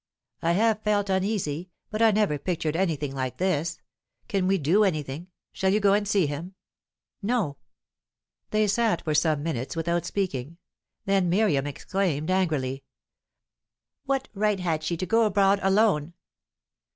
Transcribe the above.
"I have felt uneasy; but I never pictured anything like this. Can we do anything? Shall you go and see him?" "No." They sat for some minutes without speaking; then Miriam exclaimed angrily: "What right had she to go abroad alone?"